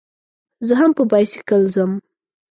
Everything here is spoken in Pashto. زه هم په بایسکل ځم.